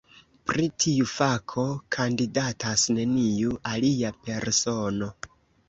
Pri tiu fako kandidatas neniu alia persono.